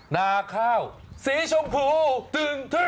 นาข้าวสีชมพู